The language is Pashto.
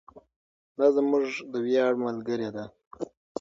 دا زموږ د ویاړ ملګرې ده.